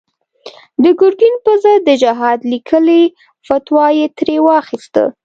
د ګرګين پر ضد د جهاد ليکلې فتوا يې ترې واخيسته.